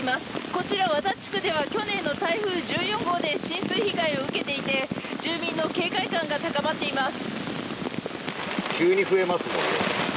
こちら和田地区では去年の台風１４号で浸水被害を受けていて住民の警戒感が高まっています。